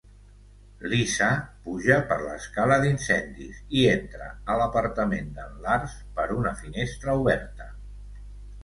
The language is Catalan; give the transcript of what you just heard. Lisa puja per l'escala d'incendis i entra a l'apartament d'en Lars per una finestra oberta.